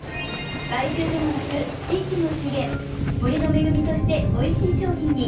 害獣ではなく地域の資源森の恵みとしておいしい商品に。